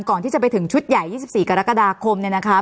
ก่อนที่จะไปถึงชุดใหญ่๒๔กรกฎาคมเนี่ยนะคะ